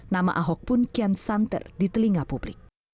nama ahok pun kian santer di telinga publik